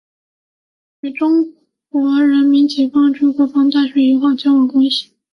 与中国人民解放军国防大学友好交往关系。